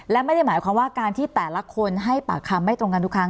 และไม่ได้หมายความว่าการที่แต่ละคนให้ปากคำไม่ตรงกันทุกครั้ง